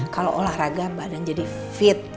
kalau olahraga badan jadi fit